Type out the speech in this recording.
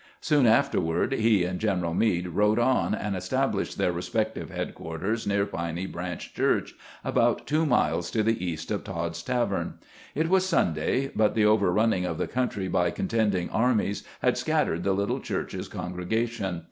Soon afterward he and General Meade rode on, and established their respective headquarters near Piney Branch Church, about two miles to the east of Todd's tavern. It was Sunday, but the overrunning of the country by contending armies had scattered the little church's congregation.